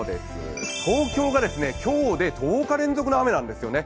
東京が今日で１０日連続の雨なんですよね。